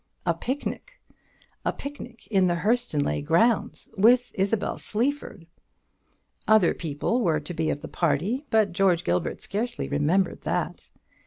A picnic! a picnic in the Hurstonleigh grounds, with Isabel Sleaford! Other people were to be of the party; but George Gilbert scarcely remembered that.